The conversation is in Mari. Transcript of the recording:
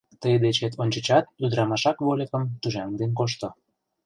Тый дечет ончычат ӱдырамашак вольыкым тӱжаҥден кошто.